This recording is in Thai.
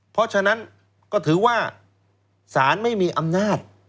เพราะฉะนั้นก็ถือว่าสารไม่มีอำนาจ